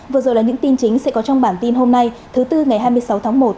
vừa rồi là những tin chính sẽ có trong bản tin hôm nay thứ tư ngày hai mươi sáu tháng một